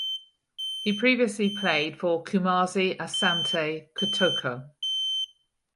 He previously played for Kumasi Asante Kotoko.